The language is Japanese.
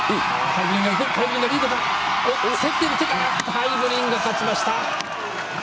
ハイブリンが勝ちました！